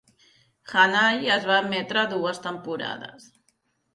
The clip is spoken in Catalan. "Hannay" es va emetre dues temporades.